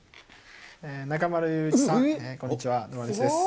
中丸雄一さん、こんにちは、堂安律です。